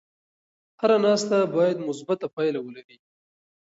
هره ناسته باید مثبته پایله ولري.